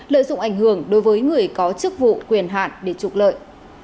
lợi dụng ảnh hưởng đối với người có chức vụ quyền hạn để trục lợi